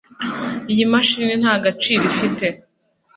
Iyi mashini nta gaciro ifite